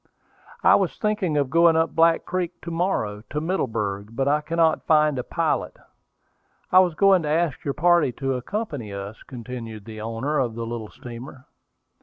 "I was thinking of going up Black Creek to morrow, to Middleburg; but I cannot find a pilot. I was going to ask your party to accompany us," continued the owner of the little steamer.